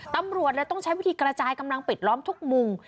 ตำรวจเลยต้องใช้วิธีกระจายกำลังปิดล้อมทุกมุม